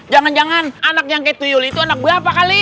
jangan jangan anak yang kayak tuyul itu anak berapa kali